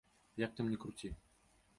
Як там не круці.